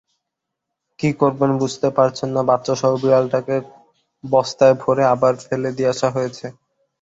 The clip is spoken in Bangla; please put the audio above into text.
কি করবেন বুঝতে পারছেন না বাচ্চাসহ বিড়ালটাকে কস্তায় ভরে আবার ফেলে দিয়ে আসা হয়েছে।